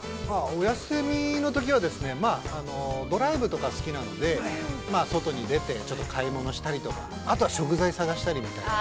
◆お休みのときはですね、まあドライブとか好きなので外に出てちょっと買い物したりとか、あとは食材探したりみたいな。